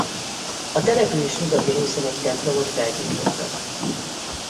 A település nyugati részén egy templomot felgyújtottak.